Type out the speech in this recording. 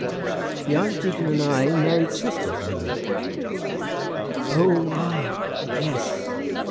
"The archdeacon and I married sisters, my lord." "Oh, ah! yes.